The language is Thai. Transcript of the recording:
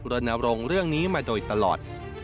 รณรงค์เรื่องนี้มาโดยตลอด